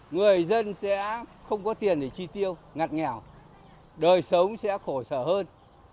người dân sẽ không có tiền để chi tiêu ngặt nghèo đời sống sẽ khổ sở hơn